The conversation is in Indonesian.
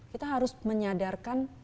kita harus menyadarkan